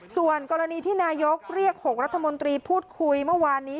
ส่วนกรณีที่นายกเรียก๖รัฐมนตรีพูดคุยเมื่อวานนี้